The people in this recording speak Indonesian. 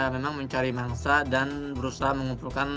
memang mencari mangsa dan berusaha mengumpulkan